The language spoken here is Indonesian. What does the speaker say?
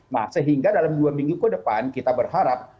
nah sehingga dalam dua minggu ke depan kita berharap